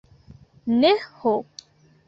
Ne, ho!